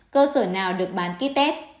cơ sở nào được bán kit test